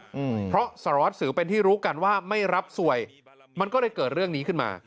อืมเพราะสารวัสสิวเป็นที่รู้กันว่าไม่รับสวยมันก็เลยเกิดเรื่องนี้ขึ้นมา